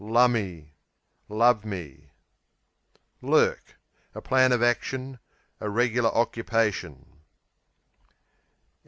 Lumme Love me. Lurk A plan of action; a regular occupation.